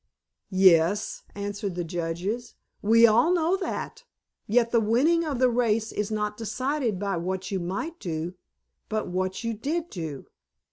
"Yes," answered the judges, "we all know that, yet the winning of the race is not decided by what you might do, but by what you did do."